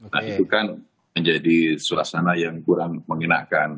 nah itu kan menjadi suasana yang kurang mengenakan